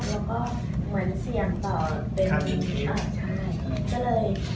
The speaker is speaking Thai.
แล้วก็เหมือนเสี่ยงต่อเป็นอีก